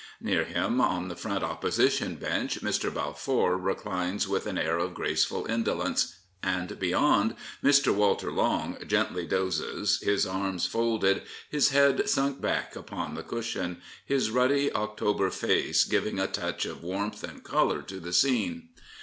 Near him, on the Front Opposition Bench, Mr. Balfour reclines with an air of graceful indolence, and, beyond, Mr. Walter Long gently dozes, his arms folded, his head sunk back upon the cushion, his ruddy October face giving a touch of warmth and colour to the scene.